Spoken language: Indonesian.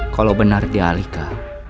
kalau benar dia alika